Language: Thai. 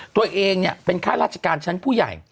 ตัวเองเป็นข้าราชการชั้นผู้ใหญ่